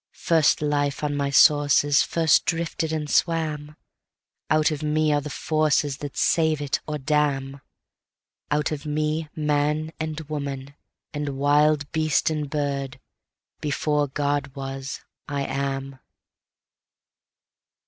First life on my sourcesFirst drifted and swam; Out of me are the forcesThat save it or damn; Out of me man and woman, and wild beast and bird; before God was, I am.